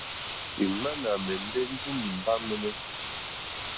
Ìŋmánà à mɛ̀ndɛ́ ndí nìbâ mɛ́ɛ́nɛ́.